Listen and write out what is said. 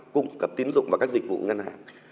cung cấp tiến dụng và các dịch vụ ngân hàng